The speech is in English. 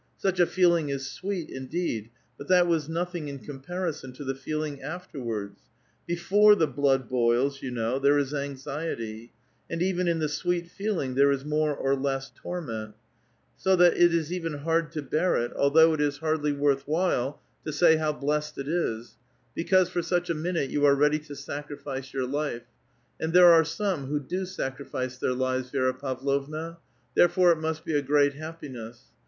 Such a feeling is sweet, in deed ; but that was nothing in comparison to the feeling afterwards. Before the blood boils, you know, there is anx iety ; and even in the sweet feeling there is more or less tor ment ; so that it is even hard to bear it, although it is hardly A VITAL QUESTION. 217 'worth while to say how blessed it is ; because, for such a miimte, you are ready to sacrifice your life, — and there are some who do sacrifice their lives, Vi^ra Pavlovna, — therefore it must be a great happiuess.